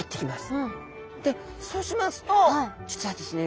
でそうしますと実はですね